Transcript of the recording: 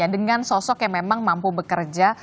dengan sosok yang memang mampu bekerja